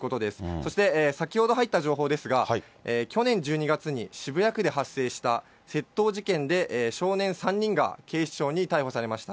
そして、先ほど入った情報ですが、去年１２月に渋谷区で発生した窃盗事件で少年３人が警視庁に逮捕されました。